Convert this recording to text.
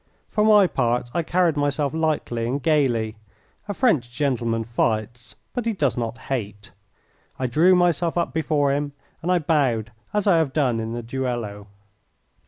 For my part I carried myself lightly and gaily. A French gentleman fights but he does not hate. I drew myself up before him, and I bowed as I have done in the duello.